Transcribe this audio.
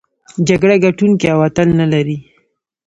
جګړه ګټوونکی او اتل نلري.